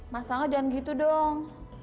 mas rangga jangan gitu dong